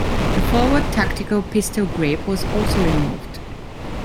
The forward tactical pistol grip was also removed.